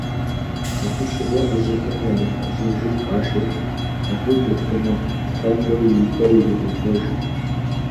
Абы щыгъуэ ӏэзэхэм я нэхъ ӏэзэжыр къашэрти, абы дэтхэнэ къутахуэри и пӏэ иригъэувэжырт.